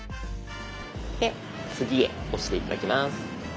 で「次へ」押して頂きます。